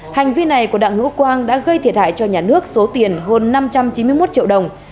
hành vi này của đặng hữu quang đã gây thiệt hại cho nhà nước số tiền hơn năm trăm chín mươi một triệu đồng